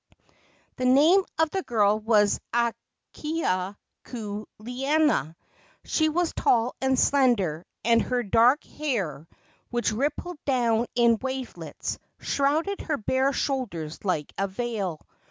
The name of the girl was Akahia kuleana. She was tall and slender, and her dark hair, which rippled down in wavelets, shrouded her bare shoulders like a veil.